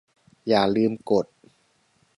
อย่าลืมกด